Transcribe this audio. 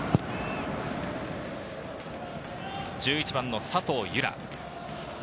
１１番の佐藤由空。